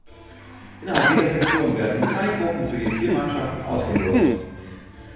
Innerhalb jeder Sektion werden drei Gruppen zu je vier Mannschaften ausgelost.